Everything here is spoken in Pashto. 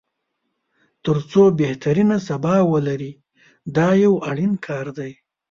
تر څو بهترینه سبا ولري دا یو اړین کار دی.